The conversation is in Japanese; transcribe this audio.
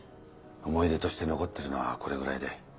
思い出として残ってるのはこれぐらいで。